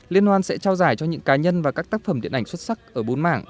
liên hoan sẽ trao giải cho những cá nhân và các tác phẩm điện ảnh xuất sắc ở bốn mảng